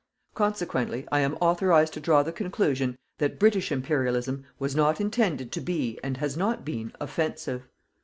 Consequently, I am authorized to draw the conclusion that British Imperialism was not intended to be, and has not been "OFFENSIVE".